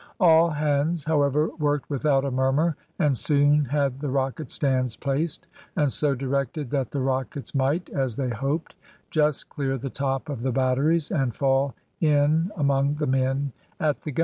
All hands, however, worked without a murmur, and soon had the rocket stands placed and so directed that the rockets might, as they hoped, just clear the top of the batteries, and fall in among the men at the guns.